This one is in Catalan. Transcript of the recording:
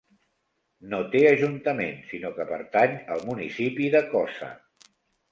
No té ajuntament, sinó que pertany al municipi de Cosa.